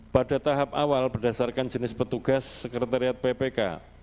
pada tahap awal berdasarkan jenis petugas sekretariat ppk